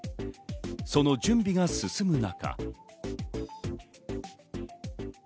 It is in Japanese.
その準備が進む中。